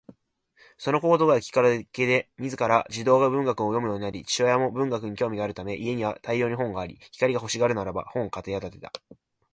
そのことがきっかけで自ら児童文学を読むようになり、父親も文学に興味があるため家には大量に本があり、光が欲しがるならば本を買い与えた